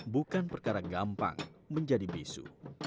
bukan perkara gampang menjadi bisu